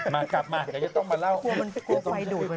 มากลับมาก่อนนะ